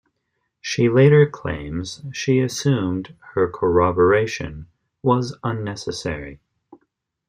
She later claims she assumed her corroboration was unnecessary.